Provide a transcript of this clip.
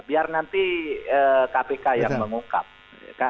biar nanti kpk yang mengungkap